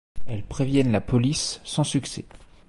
Elles préviennent la police sans succès.